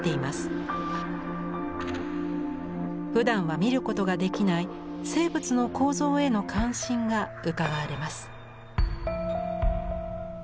ふだんは見ることができない生物の構造への関心がうかがわれます。